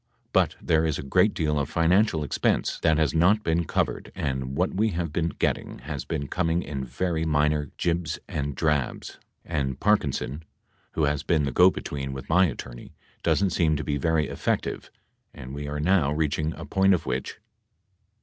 But there is a great deal of financial expense that has not been covered and what we have been getting has been coming in very minor gibs and drabs and Parkinson, who has been the go between with my attorney, doesn't seem to be very effective and we are now reaching a point of which